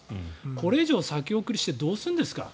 これ以上先送りしてどうするんですか。